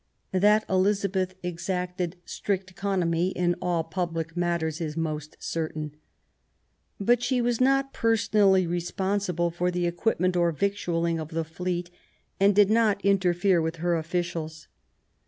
That Elizabeth exacted strict economy in all public matters is most certain; but she was not personally responsible for the equipment or victual ling of the fleet, and did not interfere with her ofiicials.